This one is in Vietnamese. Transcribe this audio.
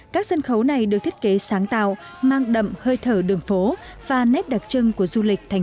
các sân khấu này được thiết kế sáng tạo mang đậm hơi thở đường phố và nét đặc trưng của du lịch thành phố